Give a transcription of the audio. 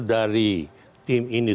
dari tim ini